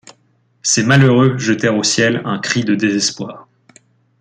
Ces malheureux jetèrent au ciel un cri de désespoir.